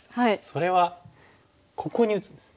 それはここに打つんです。